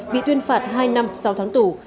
bị tuyên phạt hai năm sau tháng tủ